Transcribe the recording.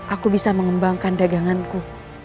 aku bisa mengembangkan daganganku